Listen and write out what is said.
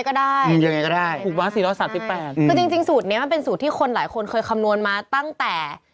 ก็จริงสูตรนี้มันเป็นสูตรที่คนหลายคนเคยคำนวณมาตั้งแต่